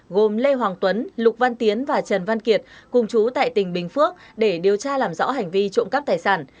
gồm lê hoàng tuấn lục văn tiến và trần văn kiệt cùng chú tại tỉnh bình phước để điều tra làm rõ hành vi trộm cắp tài sản